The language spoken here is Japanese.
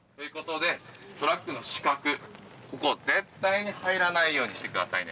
トラックの死角絶対に入らないようにしてくださいね。